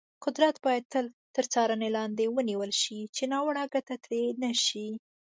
قدرت باید تل تر څارنې لاندې ونیول شي، چې ناوړه ګټه ترې نه شي.